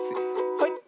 はい。